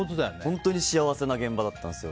本当に幸せな現場だったんですよ。